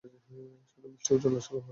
সাথে মিষ্টি ও ঝাল আচারও আছে।